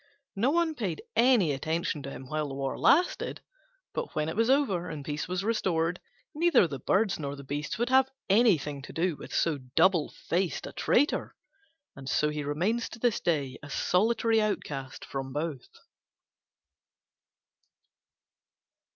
No one paid any attention to him while the war lasted: but when it was over, and peace was restored, neither the Birds nor the Beasts would have anything to do with so double faced a traitor, and so he remains to this day a solitary outcast from both.